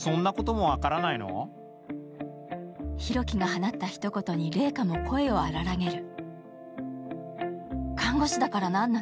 佑樹が放ったひと言に、怜花も声を荒らげる。